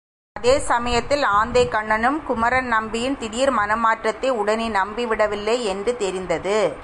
அதே சமயத்தில் ஆந்தைக்கண்ணனும் குமரன் நம்பியின் திடீர் மனமாற்றத்தை உடனே நம்பிவிடவில்லை என்று தெரிந்தது.